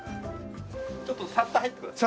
ちょっとサッと入ってください。